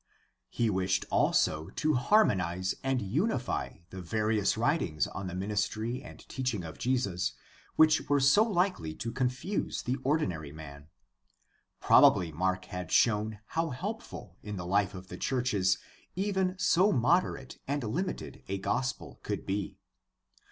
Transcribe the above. He wished also to harmonize and unify the various writings on the ministry and teaching of Jesus which were so likely to confuse the ordinary man. Probably Mark had shown how helpful in the life of the churches even so moderate and limited a gospel could be.